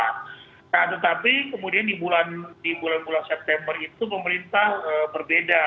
nah tetapi kemudian di bulan bulan september itu pemerintah berbeda